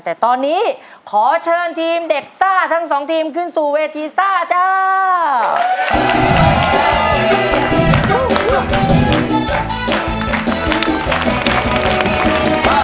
แต่ตอนนี้ขอเชิญทีมเด็กซ่าทั้งสองทีมขึ้นสู่เวทีซ่าจ้า